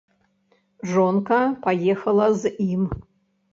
Жонка паехала з ім.